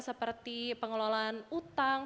seperti pengelolaan utang